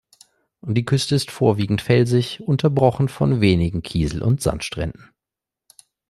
Die Küste ist vorwiegend felsig, unterbrochen von wenigen Kiesel- und Sandstränden.